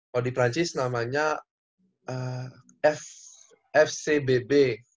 kalau di perancis namanya fcbb